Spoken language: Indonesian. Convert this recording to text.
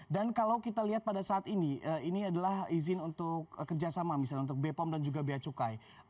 dan kalau kita lihat pada saat ini ini adalah izin untuk kerjasama misalnya untuk bepom dan juga bacukai